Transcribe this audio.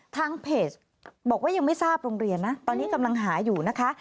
ทางเพจบอกว่ายังไม่ทราบโรงเรียนนะตอนนี้กำลังหาอยู่นะคะ